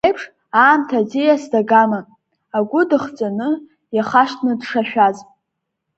Зегь реиԥш, аамҭа аӡиас дагама, агәы дыхҵаны, иахашҭны дшашәаз!